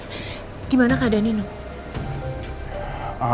bagaimana keadaannya no